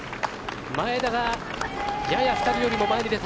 前田がやや２人よりも前に出た。